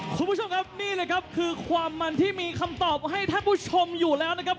คุณผู้ชมครับนี่แหละครับคือความมันที่มีคำตอบให้ท่านผู้ชมอยู่แล้วนะครับ